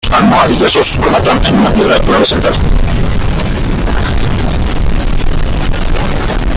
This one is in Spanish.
En el acceso principal los almohadillados rematan en una piedra clave central.